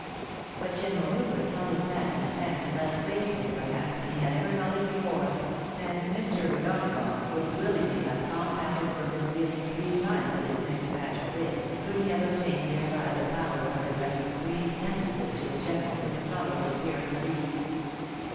But General Hubert held his hat in his hand less gracefully, perhaps, than he had ever held it before ; and Mr. O'Donagough would wUliiigly have compounded for misdealing three times at his next batch of whist, could he have obtained thereby the power of addressing three sentences to the general with a tolerable appearance of ease.